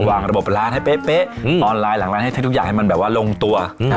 วางระบบร้านให้เป๊ะออนไลน์หลังร้านให้ทุกอย่างให้มันแบบว่าลงตัว